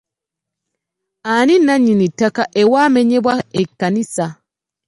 Ani nnannyini ttaka ewaamenyebwa ekkanisa?